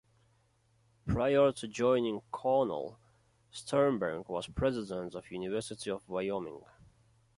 Prior to joining Cornell, Sternberg was president of the University of Wyoming.